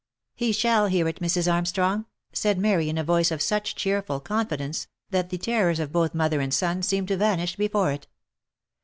" He shall hear it, Mrs. Armstrong," said Mary, in a voice of such cheerful confidence, that the terrors of both mother and son seemed to vanish before it.